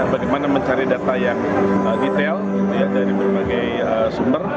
bagaimana mencari data yang detail dari berbagai sumber